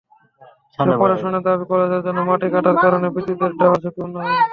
তবে প্রশাসনের দাবি, কলেজের জন্য মাটি কাটার কারণে বিদ্যুতের টাওয়ার ঝুঁকিপূর্ণ হয়নি।